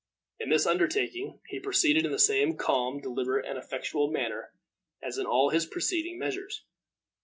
In this undertaking, he proceeded in the same calm, deliberate, and effectual manner, as in all his preceding measures.